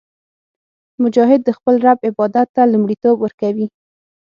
مجاهد د خپل رب عبادت ته لومړیتوب ورکوي.